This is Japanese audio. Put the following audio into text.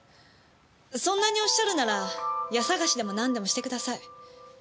そんなにおっしゃるなら家捜しでもなんでもしてください。